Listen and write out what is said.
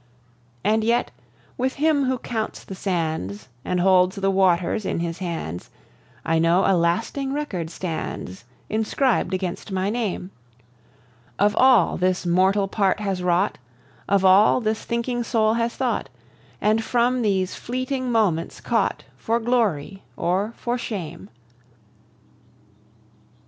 And yet, with Him who counts the sands And holds the waters in His hands, I know a lasting record stands Inscribed against my name, Of all this mortal part has wrought, Of all this thinking soul has thought, And from these fleeting moments caught For glory or for shame.